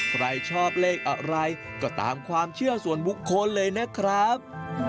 ใครชอบเลขอะไรก็ตามความเชื่อส่วนบุคคลเลยนะครับ